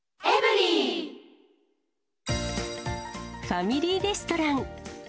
ファミリーレストラン。